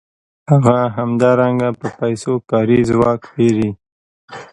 هغه همدارنګه په پیسو کاري ځواک پېري